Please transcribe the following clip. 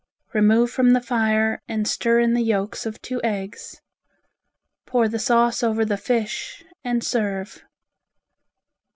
Remove from the fire and stir in the yolks of two eggs. Pour the sauce over the fish and serve.